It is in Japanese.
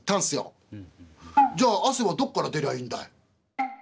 「じゃあアセはどっから出りゃいいんだい？」。